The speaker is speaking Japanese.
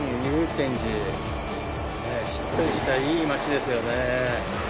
しっとりしたいい街ですよね。